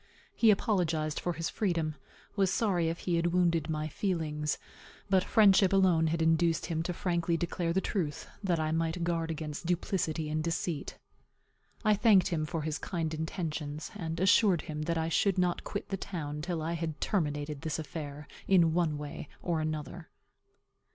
He apologized for his freedom; was sorry if he had wounded my feelings; but friendship alone had induced him frankly to declare the truth, that I might guard against duplicity and deceit. I thanked him for his kind intensions; and assured him that I should not quit the town till I had terminated this affair, in one way or another.